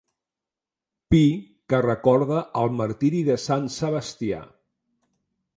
Pi que recorda el martiri de Sant Sebastià.